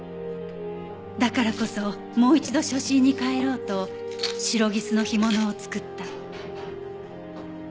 だからこそもう一度初心に帰ろうとシロギスの干物を作った。